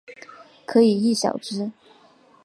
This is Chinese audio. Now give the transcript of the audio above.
可以意晓之。